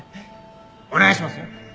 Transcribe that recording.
お願いしますよ。